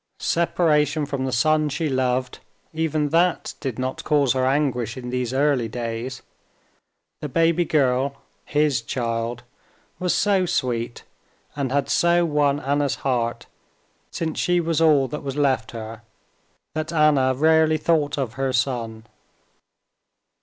Separation from the son she loved—even that did not cause her anguish in these early days. The baby girl—his child—was so sweet, and had so won Anna's heart, since she was all that was left her, that Anna rarely thought of her son.